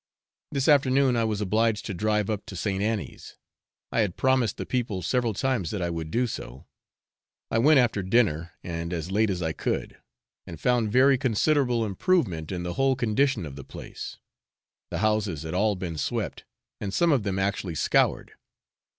This afternoon I was obliged to drive up to St. Annie's: I had promised the people several times that I would do so. I went after dinner and as late as I could, and found very considerable improvement in the whole condition of the place; the houses had all been swept, and some of them actually scoured.